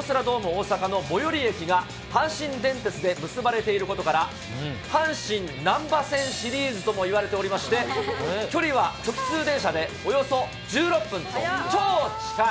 大阪の最寄り駅が、阪神電鉄で結ばれていることから、阪神なんば線シリーズとも言われておりまして、距離は直通電車でおよそ１６分と、超近い。